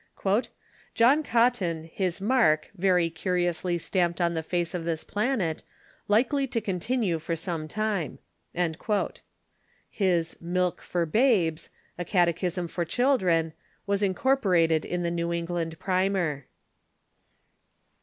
" John Cotton, his mark, very curiously stamped on the face of this Planet; likely to continue for some time,"* His "Milk for Babes," a catechism for children, was incorporated in the New England Primer.